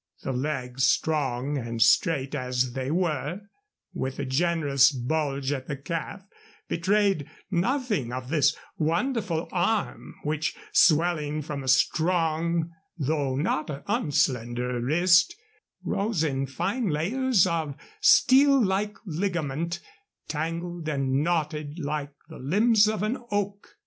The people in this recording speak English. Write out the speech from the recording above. The legs, strong and straight as they were, with a generous bulge at the calf, betrayed nothing of this wonderful arm, which, swelling from a strong though not unslender wrist, rose in fine layers of steel like ligament, tangled and knotted like the limbs of an oak.